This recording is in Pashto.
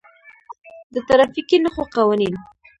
د ترافیکي نښو قوانین: